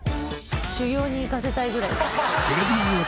修行に行かせたいぐらい。